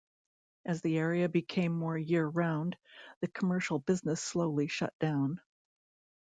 As the area became more year-round the commercial business slowly shut down.